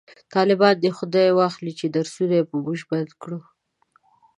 طالبان دی خداي واخلﺉ چې درسونه یې په موژ بند کړو